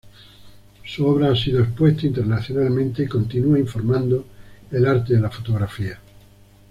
Su obra ha sido expuesta internacionalmente y continúa informando el arte de la fotografía.